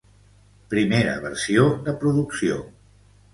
Primera versió de producció.